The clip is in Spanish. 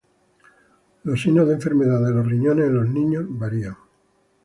Los signos de enfermedad de los riñones en los niños varían.